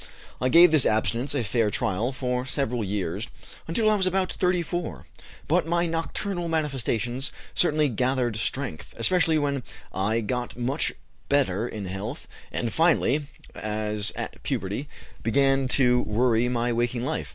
I gave this abstinence a fair trial for several years (until I was about 34), but my nocturnal manifestations certainly gathered strength, especially when I got much better in health, and, finally, as at puberty, began to worry my waking life.